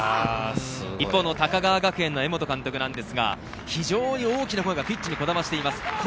一方の高川学園の江本監督、非常に大きな声がピッチにこだましています。